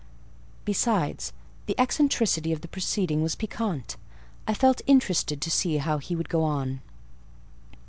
Besides, the eccentricity of the proceeding was piquant: I felt interested to see how he would go on.